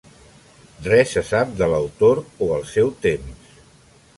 Res se sap de l'autor o el seu temps.